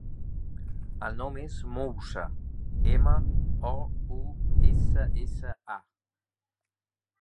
El nom és Moussa: ema, o, u, essa, essa, a.